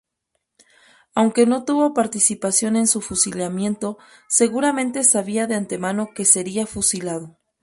Aunque no tuvo participación en su fusilamiento, seguramente sabía de antemano que sería fusilado.